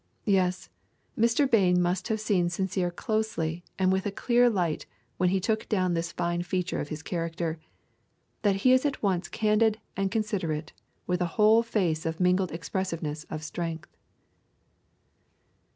Yes, Mr. Bain must have seen Sincere closely and in a clear light when he took down this fine feature of his character, that he is at once candid and considerate with a whole face of mingled expressiveness and strength.